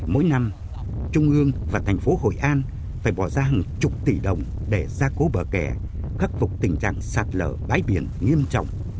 mỗi năm trung ương và thành phố hội an phải bỏ ra hàng chục tỷ đồng để gia cố bờ kè khắc phục tình trạng sạt lở bãi biển nghiêm trọng